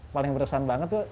paling beresan banget tuh